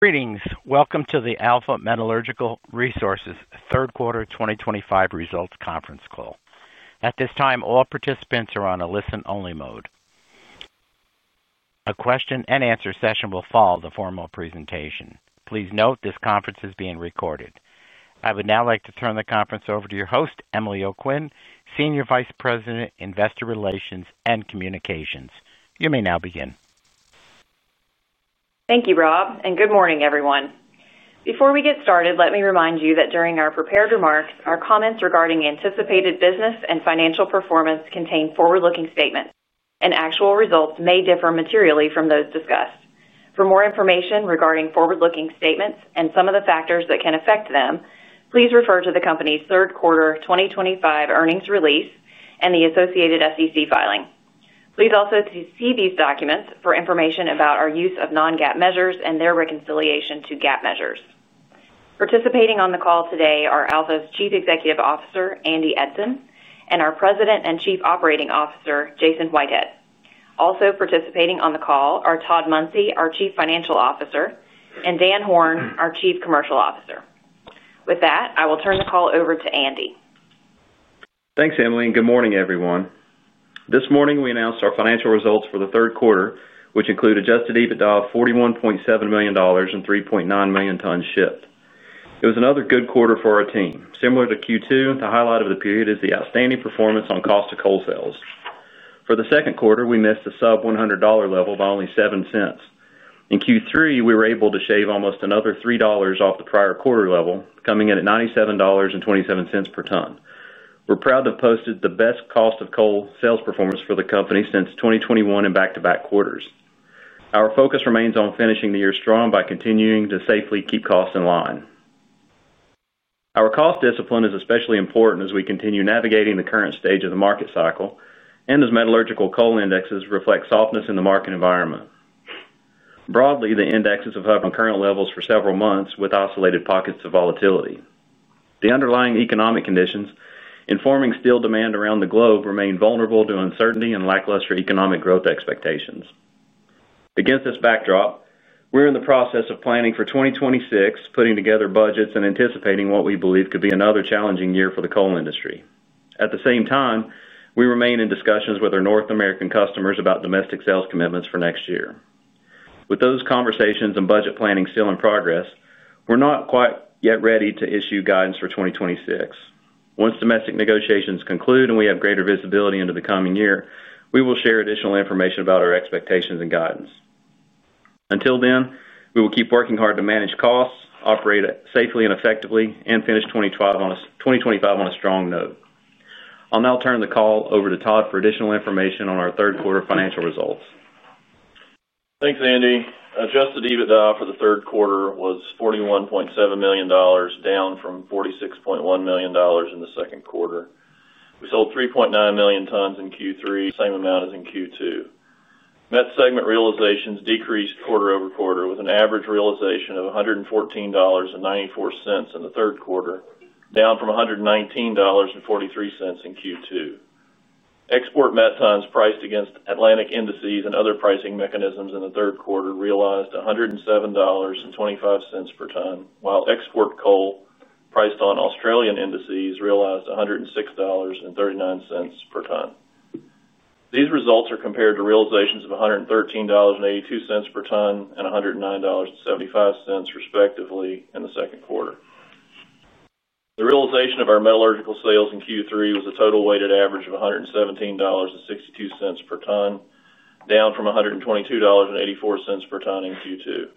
Greetings. Welcome to the Alpha Metallurgical Resources Third Quarter 2025 Results Conference Call. At this time, all participants are on a listen-only mode. A question-and-answer session will follow the formal presentation. Please note this conference is being recorded. I would now like to turn the conference over to your host, Emily O'Quinn, Senior Vice President, Investor Relations and Communications. You may now begin. Thank you, Rob, and good morning, everyone. Before we get started, let me remind you that during our prepared remarks, our comments regarding anticipated business and financial performance contain forward-looking statements, and actual results may differ materially from those discussed. For more information regarding forward-looking statements and some of the factors that can affect them, please refer to the company's Third Quarter 2025 earnings release and the associated SEC filing. Please also see these documents for information about our use of non-GAAP measures and their reconciliation to GAAP measures. Participating on the call today are Alpha's Chief Executive Officer, Andy Eidson, and our President and Chief Operating Officer, Jason Whitehead. Also participating on the call are Todd Munsey, our Chief Financial Officer, and Dan Horn, our Chief Commercial Officer. With that, I will turn the call over to Andy. Thanks, Emily. Good morning, everyone. This morning, we announced our financial results for the third quarter, which include adjusted EBITDA of $41.7 million and 3.9 million tons shipped. It was another good quarter for our team. Similar to Q2, the highlight of the period is the outstanding performance on cost of coal sales. For the second quarter, we missed a sub-$100 level by only $0.07. In Q3, we were able to shave almost another $3 off the prior quarter level, coming in at $97.27 per ton. We're proud to have posted the best cost of coal sales performance for the company since 2021 in back-to-back quarters. Our focus remains on finishing the year strong by continuing to safely keep costs in line. Our cost discipline is especially important as we continue navigating the current stage of the market cycle and as metallurgical coal indexes reflect softness in the market environment. Broadly, the indexes have held on current levels for several months with isolated pockets of volatility. The underlying economic conditions informing steel demand around the globe remain vulnerable to uncertainty and lackluster economic growth expectations. Against this backdrop, we're in the process of planning for 2026, putting together budgets and anticipating what we believe could be another challenging year for the coal industry. At the same time, we remain in discussions with our North American customers about domestic sales commitments for next year. With those conversations and budget planning still in progress, we're not quite yet ready to issue guidance for 2026. Once domestic negotiations conclude and we have greater visibility into the coming year, we will share additional information about our expectations and guidance. Until then, we will keep working hard to manage costs, operate safely and effectively, and finish 2025 on a strong note. I'll now turn the call over to Todd for additional information on our third quarter financial results. Thanks, Andy. Adjusted EBITDA for the third quarter was $41.7 million, down from $46.1 million in the second quarter. We sold 3.9 million tons in Q3, the same amount as in Q2. Met segment realizations decreased quarter-over-quarter, with an average realization of $114.94 in the third quarter, down from $119.43 in Q2. Export met tons priced against Atlantic indices and other pricing mechanisms in the third quarter realized $107.25 per ton, while export coal priced on Australian indices realized $106.39 per ton. These results are compared to realizations of $113.82 per ton and $109.75, respectively, in the second quarter. The realization of our metallurgical sales in Q3 was a total weighted average of $117.62 per ton, down from $122.84 per ton in Q2.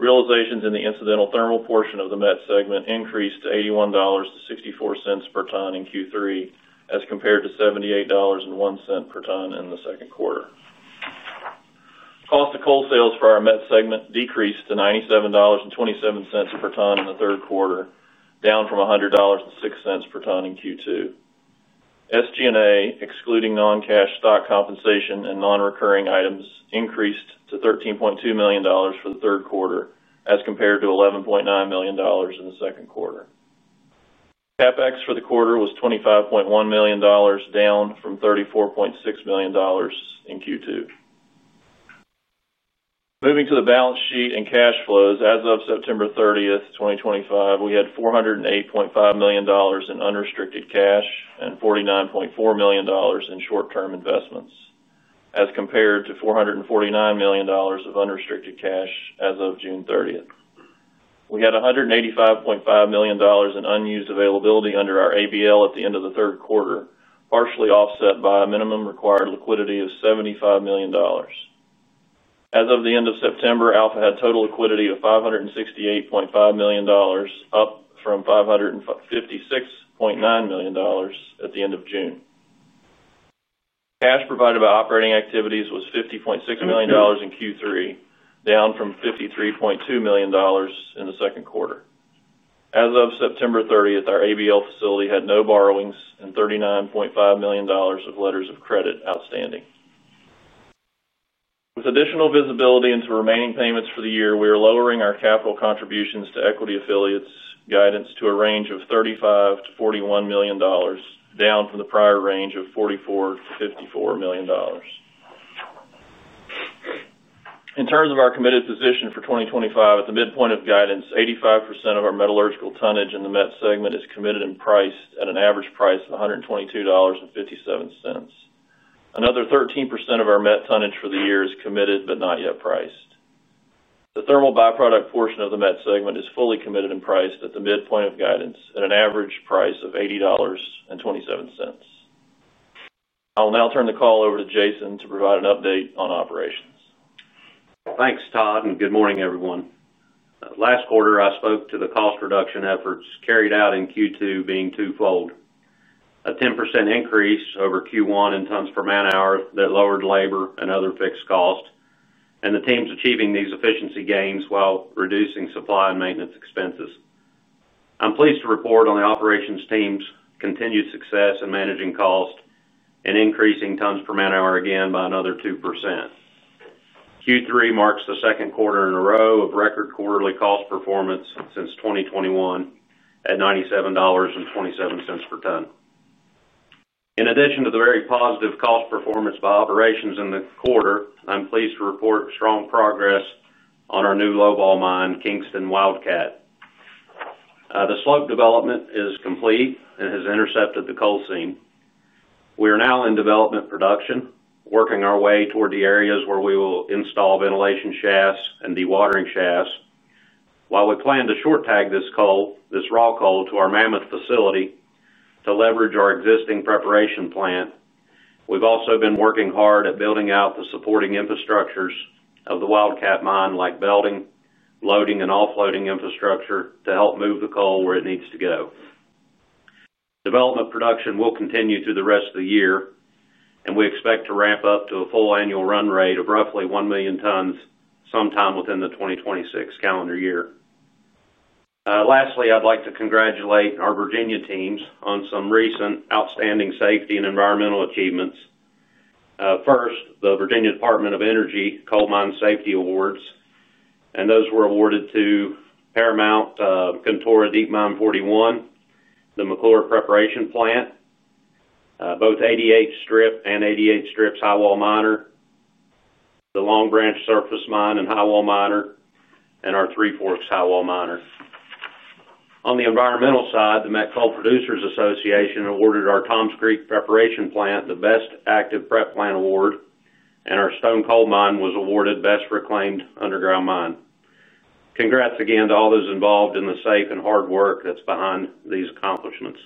Realizations in the incidental thermal portion of the met segment increased to $81.64 per ton in Q3, as compared to $78.01 per ton in the second quarter. Cost of coal sales for our met segment decreased to $97.27 per ton in the third quarter, down from $100.06 per ton in Q2. SG&A, excluding non-cash stock compensation and non-recurring items, increased to $13.2 million for the third quarter, as compared to $11.9 million in the second quarter. CapEx for the quarter was $25.1 million, down from $34.6 million in Q2. Moving to the balance sheet and cash flows, as of September 30th, 2025, we had $408.5 million in unrestricted cash and $49.4 million in short-term investments, as compared to $449 million of unrestricted cash as of June 30th. We had $185.5 million in unused availability under our ABL at the end of the third quarter, partially offset by a minimum required liquidity of $75 million. As of the end of September, Alpha had total liquidity of $568.5 million, up from $556.9 million at the end of June. Cash provided by operating activities was $50.6 million in Q3, down from $53.2 million in the second quarter. As of September 30th, our ABL facility had no borrowings and $39.5 million of letters of credit outstanding. With additional visibility into remaining payments for the year, we are lowering our capital contributions to equity affiliates' guidance to a range of $35-$41 million, down from the prior range of $44-$54 million. In terms of our committed position for 2025, at the midpoint of guidance, 85% of our metallurgical tonnage in the met segment is committed and priced at an average price of $122.57. Another 13% of our met tonnage for the year is committed but not yet priced. The thermal byproduct portion of the met segment is fully committed and priced at the midpoint of guidance at an average price of $80.27. I'll now turn the call over to Jason to provide an update on operations. Thanks, Todd, and good morning, everyone. Last quarter, I spoke to the cost reduction efforts carried out in Q2 being twofold. A 10% increase over Q1 in tons per man-hour that lowered labor and other fixed costs, and the teams achieving these efficiency gains while reducing supply and maintenance expenses. I'm pleased to report on the operations team's continued success in managing costs and increasing tons per man-hour again by another 2%. Q3 marks the second quarter in a row of record quarterly cost performance since 2021 at $97.27 per ton. In addition to the very positive cost performance by operations in the quarter, I'm pleased to report strong progress on our new low-vol mine, Kingston Wildcat. The slope development is complete and has intercepted the coal seam. We are now in development production, working our way toward the areas where we will install ventilation shafts and dewatering shafts. While we plan to short-tag this raw coal to our Mammoth Facility to leverage our existing preparation plant, we've also been working hard at building out the supporting infrastructures of the Wildcat mine, like belting, loading, and offloading infrastructure to help move the coal where it needs to go. Development production will continue through the rest of the year, and we expect to ramp up to a full annual run rate of roughly 1 million tons sometime within the 2026 calendar year. Lastly, I'd like to congratulate our Virginia teams on some recent outstanding safety and environmental achievements. First, the Virginia Department of Energy Coal Mine Safety Awards, and those were awarded to Paramount Contora Deep Mine 41, the McClure Preparation Plant, both 88 Strip and 88 Strip's Highwall Miner, the Long Branch Surface Mine and Highwall Miner, and our Three Forks Highwall Miner. On the environmental side, the Met Coal Producers Association awarded our Toms Creek Preparation Plant the Best Active Prep Plant Award, and our Stone Coal Mine was awarded Best Reclaimed Underground Mine. Congrats again to all those involved in the safe and hard work that's behind these accomplishments.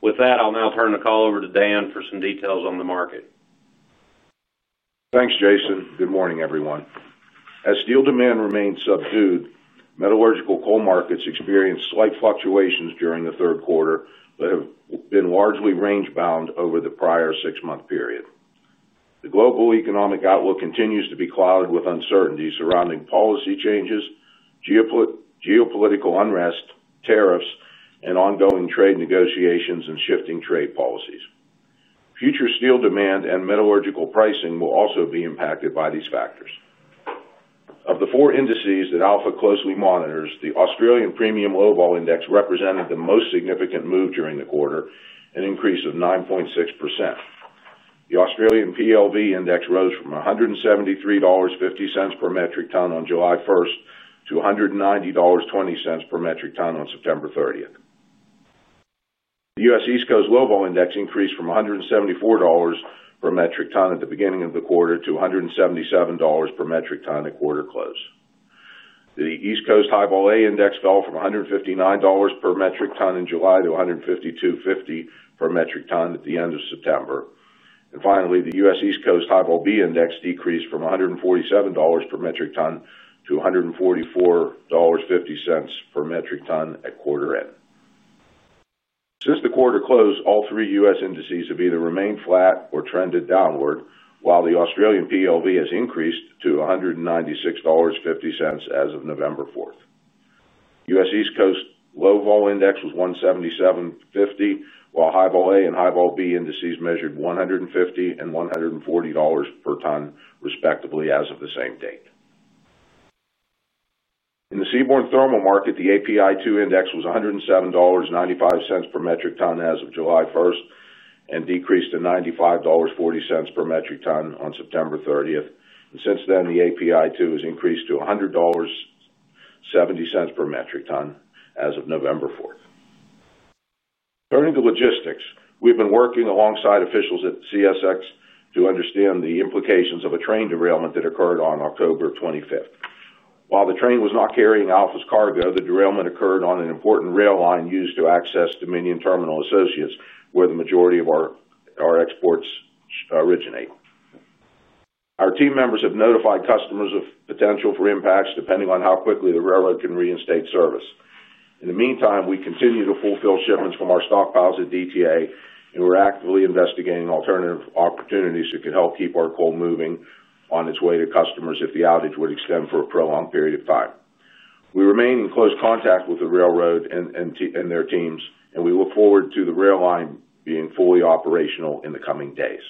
With that, I'll now turn the call over to Dan for some details on the market. Thanks, Jason. Good morning, everyone. As steel demand remains subdued, metallurgical coal markets experienced slight fluctuations during the third quarter but have been largely range-bound over the prior six-month period. The global economic outlook continues to be clouded with uncertainties surrounding policy changes, geopolitical unrest, tariffs, and ongoing trade negotiations and shifting trade policies. Future steel demand and metallurgical pricing will also be impacted by these factors. Of the four indices that Alpha closely monitors, the Australian Premium Low-Vol Index represented the most significant move during the quarter, an increase of 9.6%. The Australian PLV Index rose from $173.50 per metric ton on July 1st to $190.20 per metric ton on September 30th. The US East Coast Low-Vol Index increased from $174 per metric ton at the beginning of the quarter to $177 per metric ton at quarter close. The East Coast Highball A Index fell from $159 per metric ton in July to $152.50 per metric ton at the end of September. The US East Coast Highball B Index decreased from $147 per metric ton to $144.50 per metric ton at quarter end. Since the quarter closed, all three U.S. indices have either remained flat or trended downward, while the Australian PLV has increased to $196.50 as of November 4th. US East Coast Lowball Index was $177.50, while Highball A and Highball B indices measured $150 and $140 per ton, respectively, as of the same date. In the seaborne thermal market, the API-2 Index was $107.95 per metric ton as of July 1st and decreased to $95.40 per metric ton on September 30th. Since then, the API-2 has increased to $100.70 per metric ton as of November 4th. Turning to logistics, we've been working alongside officials at CSX to understand the implications of a train derailment that occurred on October 25th. While the train was not carrying Alpha's cargo, the derailment occurred on an important rail line used to access Dominion Terminal Associates, where the majority of our exports originate. Our team members have notified customers of potential for impacts depending on how quickly the railroad can reinstate service. In the meantime, we continue to fulfill shipments from our stockpiles at DTA, and we're actively investigating alternative opportunities that could help keep our coal moving on its way to customers if the outage would extend for a prolonged period of time. We remain in close contact with the railroad and their teams, and we look forward to the rail line being fully operational in the coming days.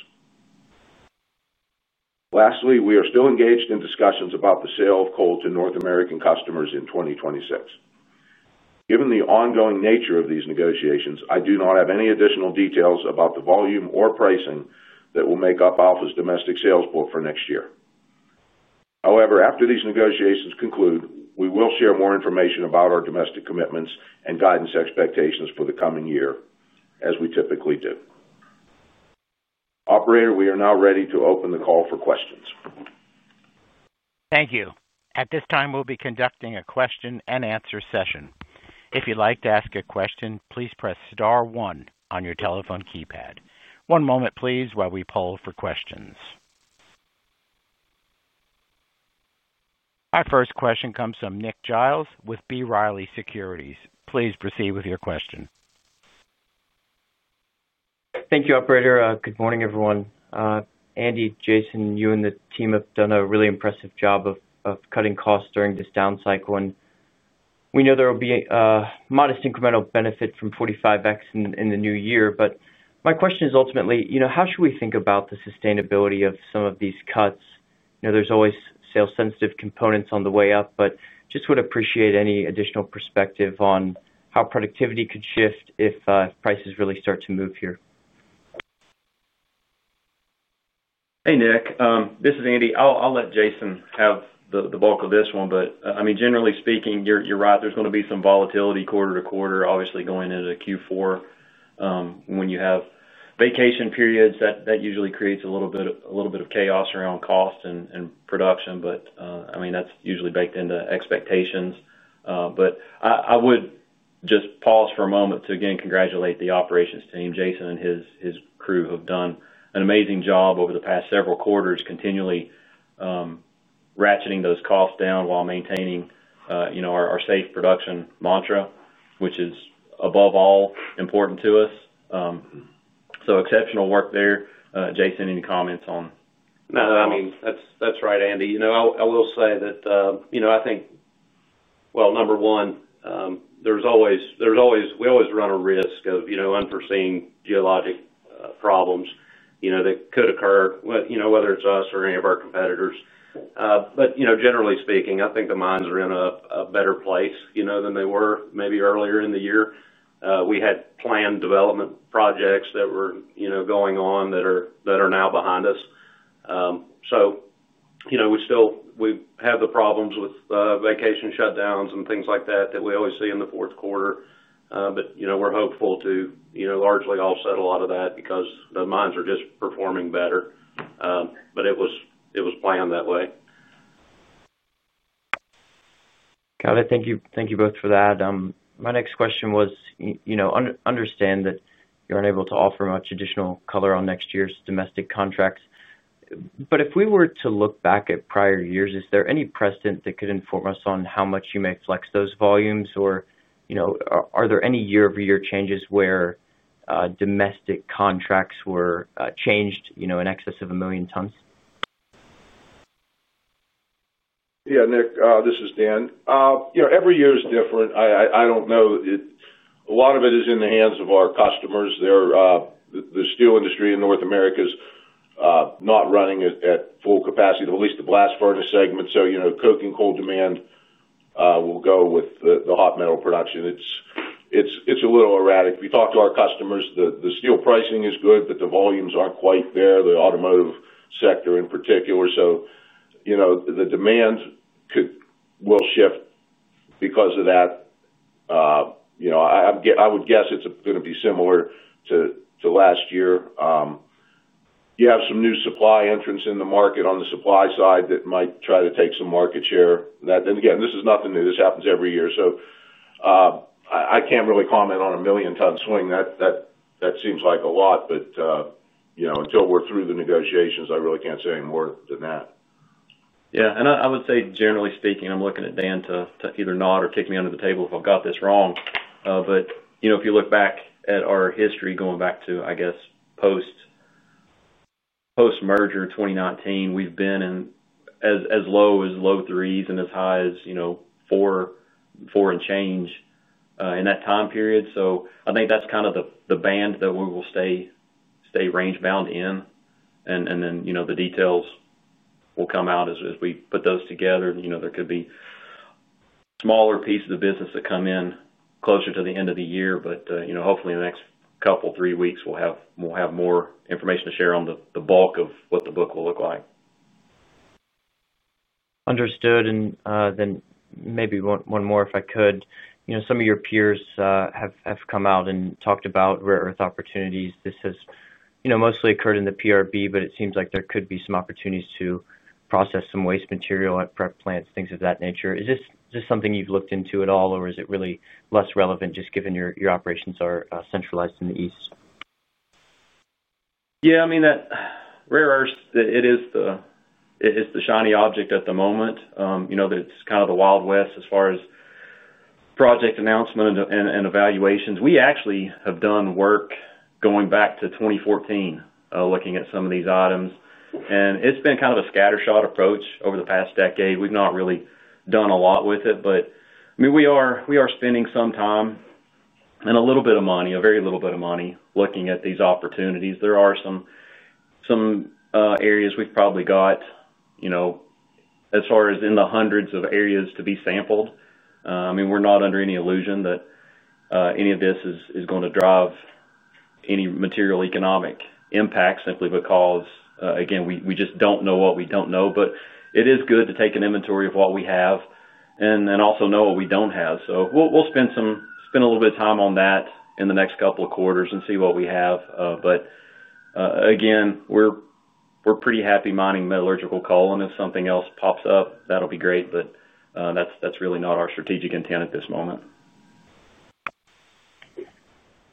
Lastly, we are still engaged in discussions about the sale of coal to North American customers in 2026. Given the ongoing nature of these negotiations, I do not have any additional details about the volume or pricing that will make up Alpha's domestic sales book for next year. However, after these negotiations conclude, we will share more information about our domestic commitments and guidance expectations for the coming year, as we typically do. Operator, we are now ready to open the call for questions. Thank you. At this time, we'll be conducting a question-and-answer session. If you'd like to ask a question, please press star one on your telephone keypad. One moment, please, while we poll for questions. Our first question comes from Nick Giles with B. Riley Securities. Please proceed with your question. Thank you, Operator. Good morning, everyone. Andy, Jason, you and the team have done a really impressive job of cutting costs during this down cycle. We know there will be a modest incremental benefit from 45X in the new year. My question is ultimately, how should we think about the sustainability of some of these cuts? There are always sales-sensitive components on the way up, but just would appreciate any additional perspective on how productivity could shift if prices really start to move here. Hey, Nick. This is Andy. I'll let Jason have the bulk of this one. I mean, generally speaking, you're right. There's going to be some volatility quarter to quarter, obviously going into Q4. When you have vacation periods, that usually creates a little bit of chaos around cost and production. I mean, that's usually baked into expectations. I would just pause for a moment to, again, congratulate the operations team. Jason and his crew have done an amazing job over the past several quarters, continually ratcheting those costs down while maintaining our safe production mantra, which is above all important to us. Exceptional work there. Jason, any comments on— No, I mean, that's right, Andy. I will say that I think, number one, we always run a risk of unforeseen geologic problems that could occur, whether it's us or any of our competitors. Generally speaking, I think the mines are in a better place than they were maybe earlier in the year. We had planned development projects that were going on that are now behind us. We have the problems with vacation shutdowns and things like that that we always see in the fourth quarter. We are hopeful to largely offset a lot of that because the mines are just performing better. It was planned that way. Got it. Thank you both for that. My next question was. Understand that you're unable to offer much additional color on next year's domestic contracts. If we were to look back at prior years, is there any precedent that could inform us on how much you may flex those volumes? Are there any year-over-year changes where domestic contracts were changed in excess of a million tons? Yeah, Nick, this is Dan. Every year is different. I don't know. A lot of it is in the hands of our customers. The steel industry in North America is not running at full capacity, at least the blast furnace segment. So coke and coal demand will go with the hot metal production. It's a little erratic. We talk to our customers. The steel pricing is good, but the volumes aren't quite there, the automotive sector in particular. The demand will shift because of that. I would guess it's going to be similar to last year. You have some new supply entrants in the market on the supply side that might try to take some market share. This is nothing new. This happens every year. I can't really comment on a million-ton swing. That seems like a lot. Until we're through the negotiations, I really can't say more than that. Yeah. I would say, generally speaking, I'm looking at Dan to either nod or kick me under the table if I've got this wrong. If you look back at our history, going back to, I guess, post-merger 2019, we've been as low as low threes and as high as four and change in that time period. I think that's kind of the band that we will stay range-bound in. The details will come out as we put those together. There could be smaller pieces of business that come in closer to the end of the year. Hopefully, in the next couple, three weeks, we'll have more information to share on the bulk of what the book will look like. Understood. Maybe one more, if I could. Some of your peers have come out and talked about rare earth opportunities. This has mostly occurred in the PRB, but it seems like there could be some opportunities to process some waste material at prep plants, things of that nature. Is this something you've looked into at all, or is it really less relevant, just given your operations are centralized in the east? Yeah. I mean, rare earth, it is. The shiny object at the moment. It's kind of the Wild West as far as project announcement and evaluations. We actually have done work going back to 2014, looking at some of these items. It's been kind of a scattershot approach over the past decade. We've not really done a lot with it. I mean, we are spending some time and a little bit of money, a very little bit of money, looking at these opportunities. There are some areas we've probably got as far as in the hundreds of areas to be sampled. I mean, we're not under any illusion that any of this is going to drive any material economic impact, simply because, again, we just don't know what we don't know. It is good to take an inventory of what we have and also know what we do not have. We will spend a little bit of time on that in the next couple of quarters and see what we have. We are pretty happy mining metallurgical coal. If something else pops up, that will be great. That is really not our strategic intent at this moment.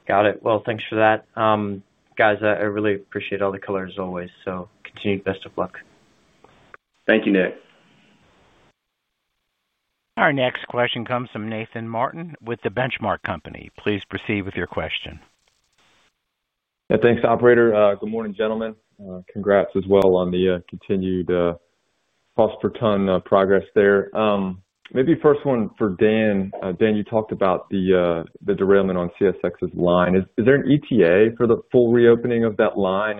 Got it. Thanks for that. Guys, I really appreciate all the colors, as always. Continue to best of luck. Thank you, Nick. Our next question comes from Nathan Martin with The Benchmark Company. Please proceed with your question. Yeah. Thanks, Operator. Good morning, gentlemen. Congrats as well on the continued cost per ton progress there. Maybe first one for Dan. Dan, you talked about the derailment on CSX's line. Is there an ETA for the full reopening of that line?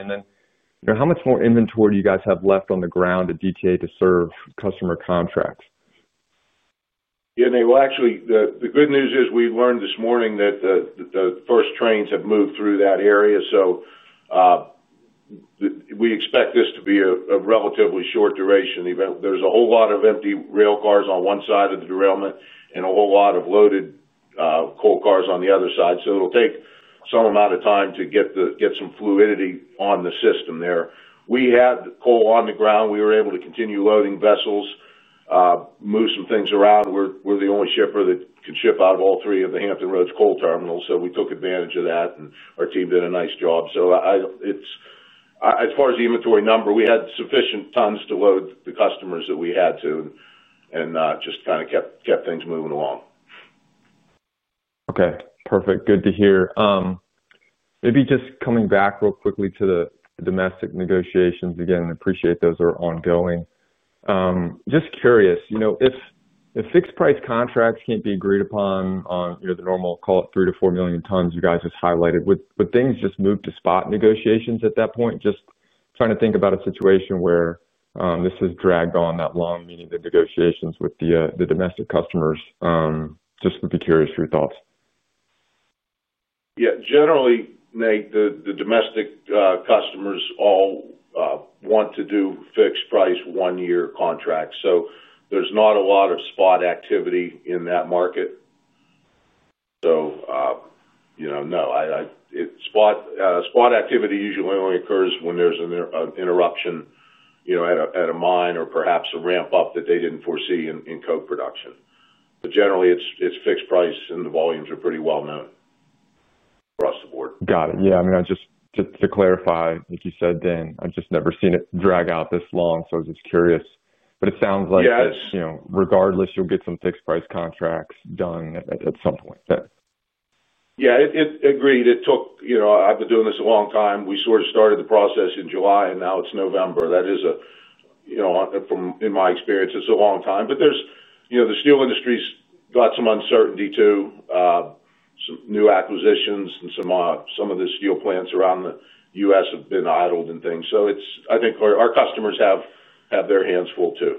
How much more inventory do you guys have left on the ground at DTA to serve customer contracts? Yeah, Nick. Actually, the good news is we learned this morning that the first trains have moved through that area. We expect this to be a relatively short duration. There is a whole lot of empty rail cars on one side of the derailment and a whole lot of loaded coal cars on the other side. It will take some amount of time to get some fluidity on the system there. We had coal on the ground. We were able to continue loading vessels, move some things around. We are the only shipper that can ship out of all three of the Hampton Roads coal terminals. We took advantage of that, and our team did a nice job. As far as inventory number, we had sufficient tons to load the customers that we had to and just kind of kept things moving along. Okay. Perfect. Good to hear. Maybe just coming back real quickly to the domestic negotiations again. I appreciate those are ongoing. Just curious, if fixed price contracts can't be agreed upon on the normal, call it three to four million tons, you guys just highlighted, would things just move to spot negotiations at that point? Just trying to think about a situation where this has dragged on that long, meaning the negotiations with the domestic customers. Just would be curious for your thoughts. Yeah. Generally, Nick, the domestic customers all want to do fixed price one-year contracts. So there's not a lot of spot activity in that market. Spot activity usually only occurs when there's an interruption at a mine or perhaps a ramp-up that they didn't foresee in coke production. But generally, it's fixed price, and the volumes are pretty well known across the board. Got it. Yeah. I mean, just to clarify, like you said, Dan, I've just never seen it drag out this long. I was just curious. It sounds like. Yeah. It's. Regardless, you'll get some fixed price contracts done at some point. Yeah. Agreed. I've been doing this a long time. We sort of started the process in July, and now it's November. That is, in my experience, a long time. The steel industry's got some uncertainty too. Some new acquisitions and some of the steel plants around the U.S. have been idled and things. I think our customers have their hands full too.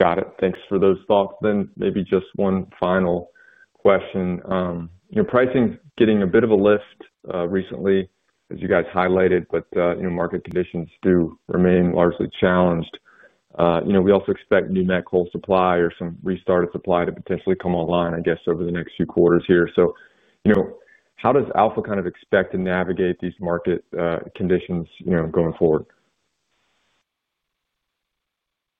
Got it. Thanks for those thoughts. Maybe just one final question. Pricing's getting a bit of a lift recently, as you guys highlighted, but market conditions do remain largely challenged. We also expect new met coal supply or some restarted supply to potentially come online, I guess, over the next few quarters here. How does Alpha kind of expect to navigate these market conditions going forward?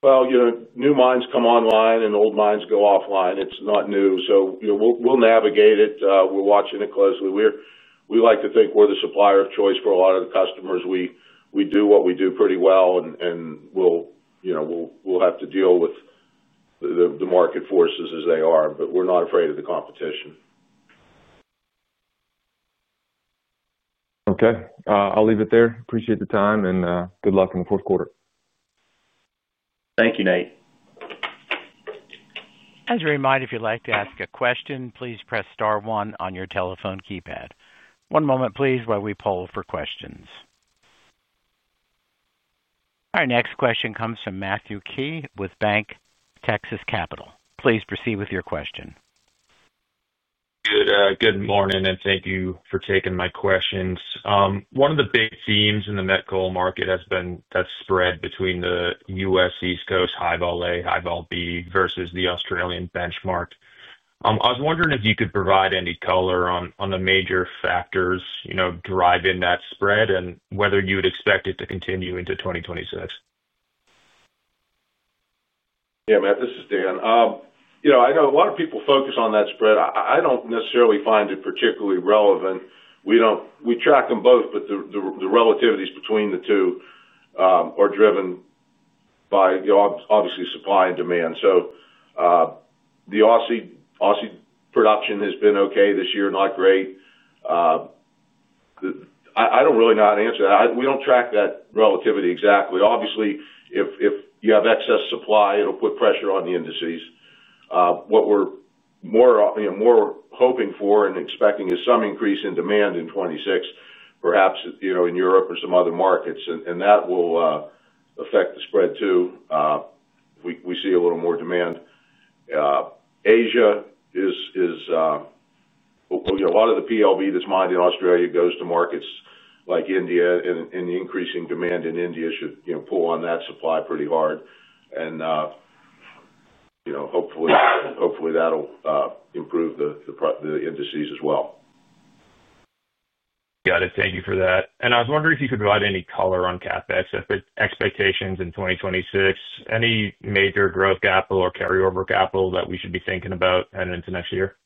New mines come online and old mines go offline. It's not new. We'll navigate it. We're watching it closely. We like to think we're the supplier of choice for a lot of the customers. We do what we do pretty well, and we'll have to deal with the market forces as they are. We're not afraid of the competition. Okay. I'll leave it there. Appreciate the time, and good luck in the fourth quarter. Thank you, Nathan. As a reminder, if you'd like to ask a question, please press star one on your telephone keypad. One moment, please, while we poll for questions. Our next question comes from Matthew Key with Bank Texas Capital. Please proceed with your question. Good morning, and thank you for taking my questions. One of the big themes in the met coal market has been that spread between the US East Coast Highball A, Highball B versus the Australian Benchmark. I was wondering if you could provide any color on the major factors driving that spread and whether you would expect it to continue into 2026. Yeah, Mattew, this is Dan. I know a lot of people focus on that spread. I do not necessarily find it particularly relevant. We track them both, but the relativities between the two are driven by, obviously, supply and demand. The Aussie production has been okay this year, not great. I do not really know how to answer that. We do not track that relativity exactly. Obviously, if you have excess supply, it will put pressure on the indices. What we are more hoping for and expecting is some increase in demand in 2026, perhaps in Europe or some other markets. That will affect the spread too. We see a little more demand. Asia is a lot of the PLV that is mined in Australia goes to markets like India, and the increasing demand in India should pull on that supply pretty hard. Hopefully, that will improve the indices as well. Got it. Thank you for that. I was wondering if you could provide any color on CapEx expectations in 2026, any major growth capital or carryover capital that we should be thinking about heading into next year?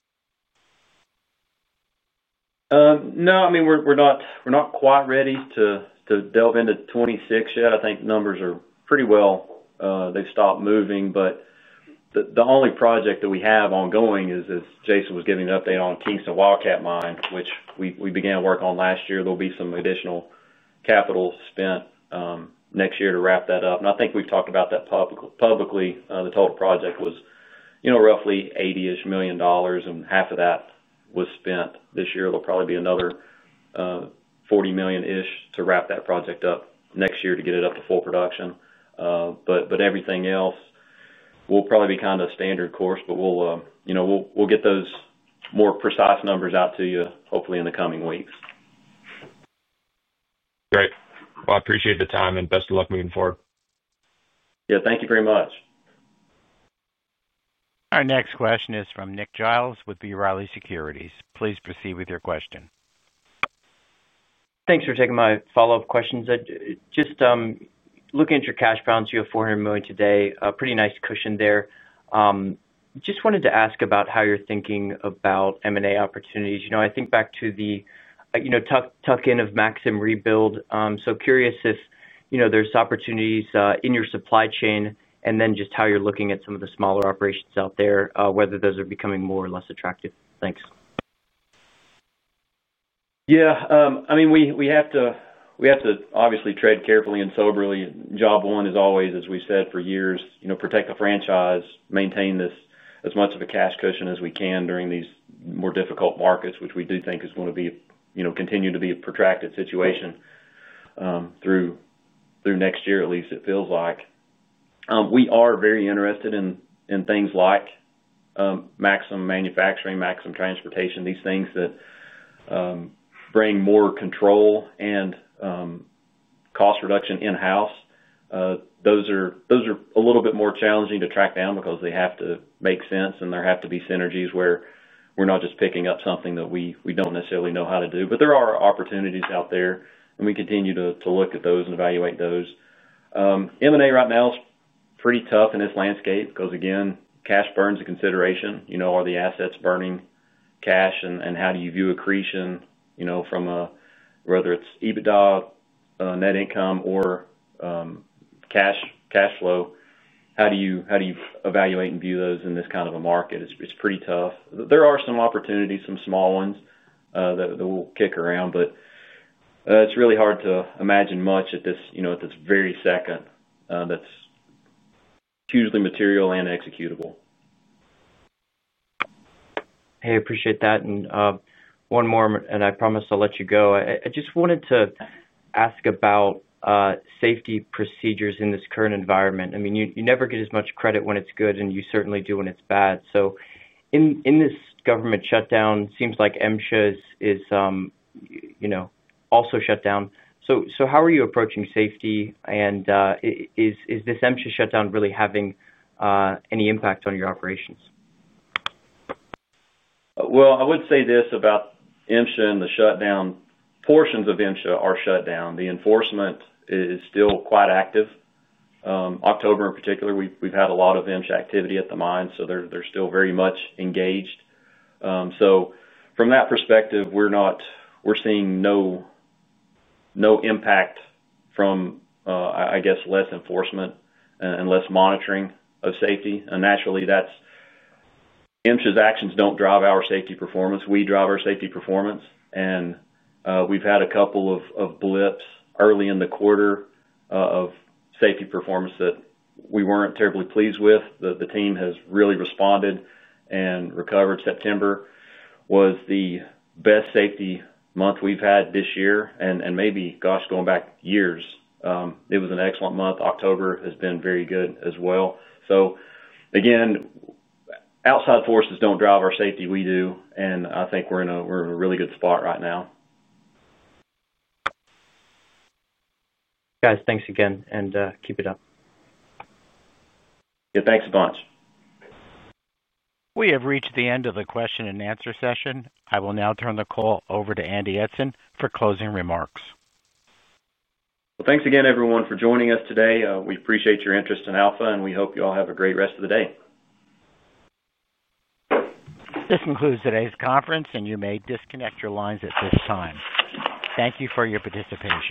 No. I mean, we're not quite ready to delve into 2026 yet. I think numbers are pretty well. They've stopped moving. The only project that we have ongoing is, as Jason was giving an update on Kingston Wildcat Mine, which we began work on last year. There'll be some additional capital spent next year to wrap that up. I think we've talked about that publicly. The total project was roughly $80 million-ish, and half of that was spent this year. There'll probably be another $40 million-ish to wrap that project up next year to get it up to full production. Everything else, we'll probably be kind of standard course, but we'll get those more precise numbers out to you, hopefully, in the coming weeks. Great. I appreciate the time, and best of luck moving forward. Yeah. Thank you very much. Our next question is from Nick Giles with B. Riley Securities. Please proceed with your question. Thanks for taking my follow-up questions. Just looking at your cash balance, you have $400 million today. Pretty nice cushion there. Just wanted to ask about how you're thinking about M&A opportunities. I think back to the tuck-in of Maxim Rebuild. So curious if there's opportunities in your supply chain and then just how you're looking at some of the smaller operations out there, whether those are becoming more or less attractive. Thanks. Yeah. I mean, we have to obviously trade carefully and soberly. Job one is always, as we've said for years, protect the franchise, maintain this as much of a cash cushion as we can during these more difficult markets, which we do think is going to continue to be a protracted situation. Through next year, at least, it feels like. We are very interested in things like Maxim manufacturing, Maxim transportation, these things that bring more control and cost reduction in-house. Those are a little bit more challenging to track down because they have to make sense, and there have to be synergies where we're not just picking up something that we don't necessarily know how to do. But there are opportunities out there, and we continue to look at those and evaluate those. M&A right now is pretty tough in this landscape because, again, cash burn's a consideration. Are the assets burning cash? How do you view accretion from, whether it's EBITDA, net income, or cash flow? How do you evaluate and view those in this kind of a market? It's pretty tough. There are some opportunities, some small ones that will kick around, but it's really hard to imagine much at this very second that's hugely material and executable. Hey, I appreciate that. One more, and I promise I'll let you go. I just wanted to ask about safety procedures in this current environment. I mean, you never get as much credit when it's good, and you certainly do when it's bad. In this government shutdown, it seems like MSHA is also shut down. How are you approaching safety? Is this MSHA shutdown really having any impact on your operations? I would say this about MSHA and the shutdown. Portions of MSHA are shut down. The enforcement is still quite active. October, in particular, we've had a lot of MSHA activity at the mine, so they're still very much engaged. From that perspective, we're seeing no impact from, I guess, less enforcement and less monitoring of safety. Naturally, MSHA's actions do not drive our safety performance. We drive our safety performance. We've had a couple of blips early in the quarter of safety performance that we were not terribly pleased with. The team has really responded and recovered. September was the best safety month we've had this year, and maybe, gosh, going back years, it was an excellent month. October has been very good as well. Again, outside forces do not drive our safety. We do. I think we're in a really good spot right now. Guys, thanks again, and keep it up. Yeah. Thanks a bunch. We have reached the end of the question and answer session. I will now turn the call over to Andy Eidson for closing remarks. Thanks again, everyone, for joining us today. We appreciate your interest in Alpha, and we hope you all have a great rest of the day. This concludes today's conference, and you may disconnect your lines at this time. Thank you for your participation.